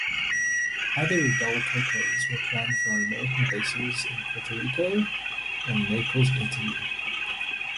Other Del Tacos were planned for American bases in Puerto Rico and Naples, Italy.